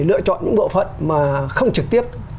lựa chọn những bộ phận mà không trực tiếp